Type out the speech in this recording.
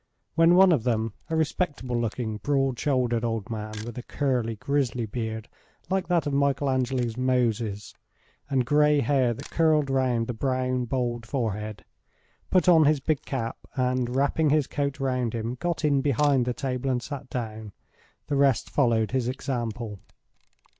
When one of them, a respectable looking, broad shouldered old man, with a curly, grizzly beard like that of Michael Angelo's "Moses," and grey hair that curled round the brown, bald forehead, put on his big cap, and, wrapping his coat round him, got in behind the table and sat down, the rest followed his example.